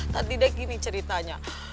tadi deh gini ceritanya